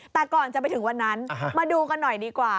แต่ก่อนจะไปถึงวันนั้นมาดูกันหน่อยดีกว่า